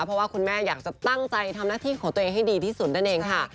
เพราะว่าคุณแม่อยากจะตั้งใจทำหน้าที่ของตัวเองให้ดีที่สุดนั่นเองค่ะ